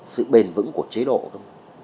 tiền vững của chế độ thôi